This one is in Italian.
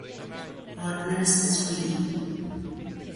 Partners Three